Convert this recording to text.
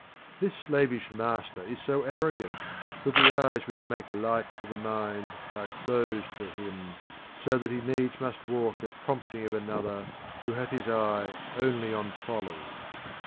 This slavish master is so arrogant that the eyes which make light for the mind are closed for him, so that he needs must walk at prompting of another who hath his eye only on folly.